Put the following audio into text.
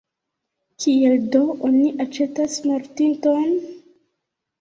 Kiel do oni aĉetas mortinton?